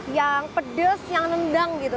yang pedes yang nendang gitu